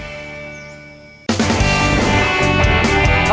เพื่อไปไว้พระธาศักดิ์ศิษย์แห่งทองพาภูมิทั้งลึกลายและดูกันที่กดไว้จากการอย่างดีที่สนใจ